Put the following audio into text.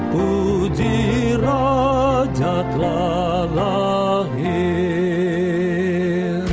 kuji raja telah lahir